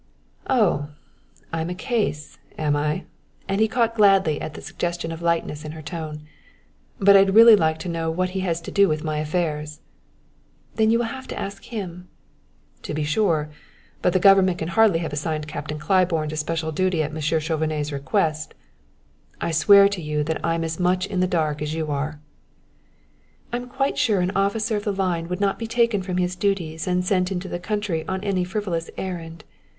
"Oh, I'm a case, am I?" and he caught gladly at the suggestion of lightness in her tone. "But I'd really like to know what he has to do with my affairs." "Then you will have to ask him." "To be sure. But the government can hardly have assigned Captain Claiborne to special duty at Monsieur Chauvenet's request. I swear to you that I'm as much in the dark as you are." "I'm quite sure an officer of the line would not be taken from his duties and sent into the country on any frivolous errand.